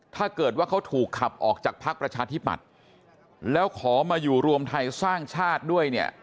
ถ้าเกิดว่าเขาถูกขับออกจากพักประชาธิปัตย์แล้วขอมาอยู่รวมไทยสร้างชาติด้วยเนี่ย